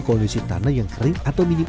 kondisi tanah yang kering atau minim